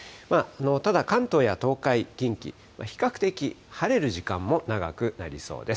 ただ、関東や東海、近畿、比較的晴れる時間も長くなりそうです。